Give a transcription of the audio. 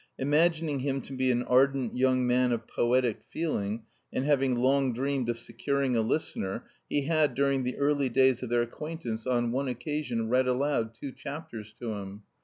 Imagining him to be an ardent young man of poetic feeling and having long dreamed of securing a listener, he had, during the early days of their acquaintance, on one occasion read aloud two chapters to him.